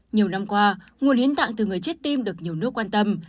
nhiều năm qua nguồn hiến tạng từ người chết tim được nhiều nước quan tâm